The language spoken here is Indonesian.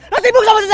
lo sibuk sama si selvi